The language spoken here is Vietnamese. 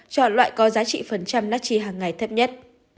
chọn loại có giá trị phần trăm natchi hàng ngày thấp nhất